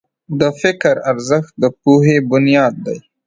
د فکر ارزښت د پوهې بنیاد دی.